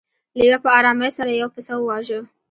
لیوه په ارامۍ سره یو پسه وواژه.